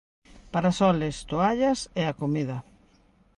Parasoles, toallas e a comida.